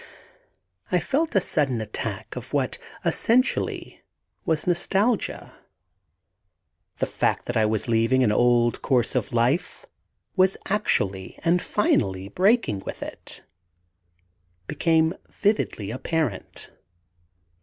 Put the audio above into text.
I felt a sudden attack of what, essentially, was nostalgia. The fact that I was really leaving an old course of life, was actually and finally breaking with it, became vividly apparent.